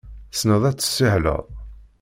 Tessneḍ ad tessihleḍ?